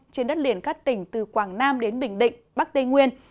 trên đất liền các tỉnh từ quảng nam đến bình định bắc tây nguyên